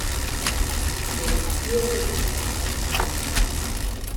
Den Spürhunden entgeht nichts.